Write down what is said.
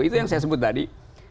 itu yang saya sebut tadi